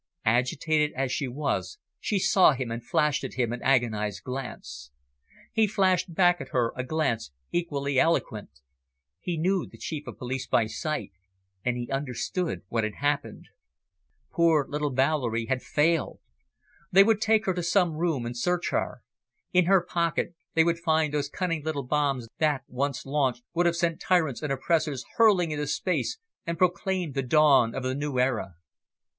Agitated as she was, she saw him, and flashed at him an agonised glance. He flashed back at her a glance equally eloquent. He knew the Chief of Police by sight, and he understood what had happened. Poor little Valerie had failed! They would take her to some room, and search her. In her pocket they would find those cunning little bombs that, once launched, would have sent tyrants and oppressors hurling into space, and proclaimed the dawn of the new era.